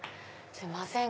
すいません